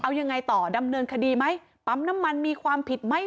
เอายังไงต่อดำเนินคดีไหมปั๊มน้ำมันมีความผิดไหม